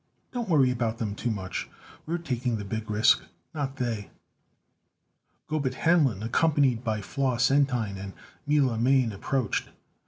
Don't worry about them too much. We're taking the big risk, not they." Gobet Hanlon, accompanied by Flos Entine and Mila Mane, approached.